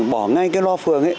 bỏ ngay cái loa phưởng ấy